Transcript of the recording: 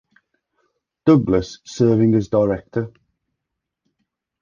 Douglass serving as Director.